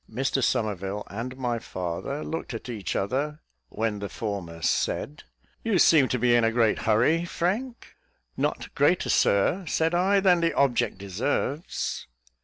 Mr Somerville and my father looked at each other, when the former said "You seem to be in a great hurry, Frank." "Not greater, Sir," said I, "than the object deserves."